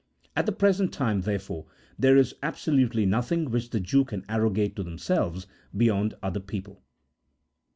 At the present time, therefore, there is absolutely nothing which the Jews can arrogate to themselves beyond other people.